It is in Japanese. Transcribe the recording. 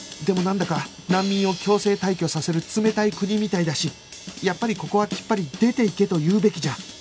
でもなんだか難民を強制退去させる冷たい国みたいだしやっぱりここはきっぱり「出ていけ」と言うべきじゃ